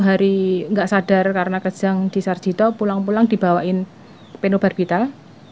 dari gak sadar karena kejang di sarjito pulang pulang dibawain penobarbital